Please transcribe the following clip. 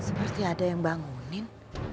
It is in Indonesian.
seperti ada yang bangunin